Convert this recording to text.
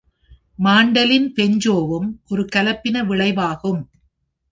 Mandolin- பேஞ்சோவும் ஒரு கலப்பின விளைவாகும்.